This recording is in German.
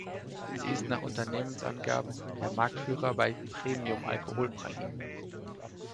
Sie ist nach Unternehmensangaben der Marktführer bei Premium-Alkoholpralinen.